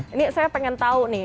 ini saya pengen tahu nih